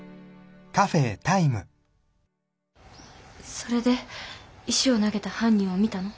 それで石を投げた犯人は見たの？